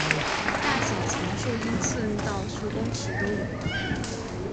大小从数英寸到数公尺都有。